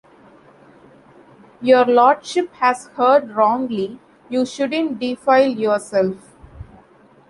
Your Lordship has heard wrongly, you shouldn't defile yourself.